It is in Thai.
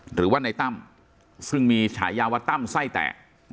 หรือว่าในตั้มซึ่งมีฉายาว่าตั้มไส้แตะ